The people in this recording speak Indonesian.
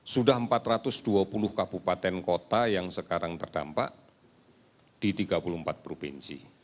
sudah empat ratus dua puluh kabupaten kota yang sekarang terdampak di tiga puluh empat provinsi